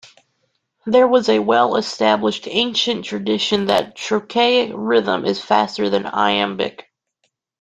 There was a well-established ancient tradition that trochaic rhythm is faster than iambic.